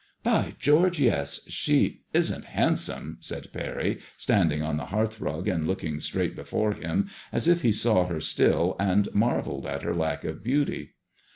" By George, yes ! she isn't handsome," said Parry, standing on the hearthrug and looking straight before him as if he saw X6 MADEMOISELLE IXE. her still, and marvelled at her lack of beauty.